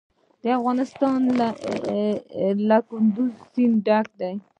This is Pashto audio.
افغانستان له کندز سیند ډک دی.